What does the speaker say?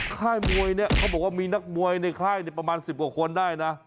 ค่ายมวยเนี่ยเขาบอกว่ามีนักมวยในค่ายประมาณ๑๐กว่าคนได้นะ